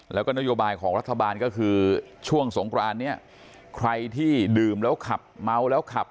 แล้วก็นโยบายของรัฐบาลก็คือช่วงสงครานเนี่ยใครที่ดื่มแล้วขับเมาแล้วขับ